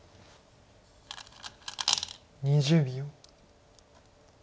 ２０秒。